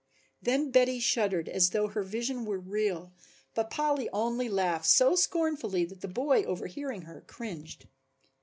Then Betty shuddered as though her vision were real, but Polly only laughed so scornfully that the boy, overhearing her, cringed.